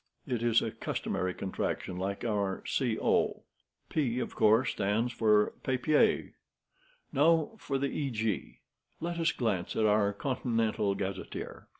It is a customary contraction like our 'Co.' P, of course, stands for 'Papier.' Now for the Eg. Let us glance at our 'Continental Gazetteer."